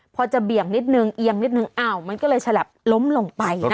พอจะเบี่ยงนิดนึงเอียงนิดนึงอ้าวมันก็เลยฉลับล้มลงไป